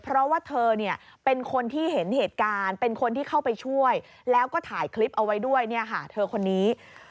เพราะว่าเธอเนี่ยเป็นคนที่เห็นเหตุการณ์เป็นคนที่เข้าไปช่วยแล้วก็ถ่ายคลิปเอาไว้ด้วยเนี่ยค่ะเธอคนนี้